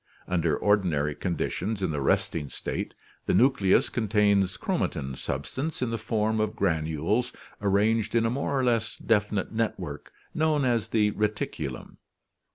Under ordinary conditions in the resting state the nucleus contains chromatin substance in the form of granules ar ranged in a more or less definite network known as the reticulum.